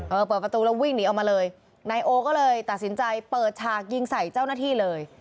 เปิดประตูแล้ววิ่งหนีออกมาเลยนายโอก็เลยตัดสินใจเปิดฉากยิงใส่เจ้าหน้าที่เลย